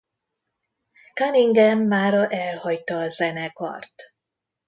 Cunningham mára elhagyta a zenekart.